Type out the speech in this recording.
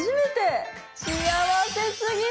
幸せすぎる。